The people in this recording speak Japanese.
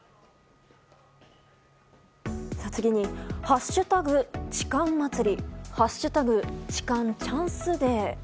次に、「＃痴漢祭り」「＃痴漢チャンスデー」。